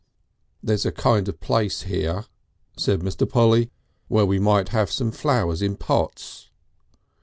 "There's a kind of place here," said Mr. Polly, "where we might have some flowers in pots."